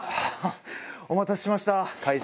お待たせしました。